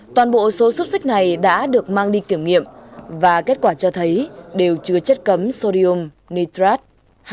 toàn bộ số xúc xích này đã được mang đi kiểm nghiệm và kết quả cho thấy đều chứa chất cấm sodium nitrat